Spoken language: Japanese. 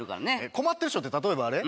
困ってる人って例えばあれ？